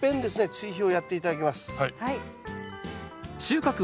追肥をやって頂きます。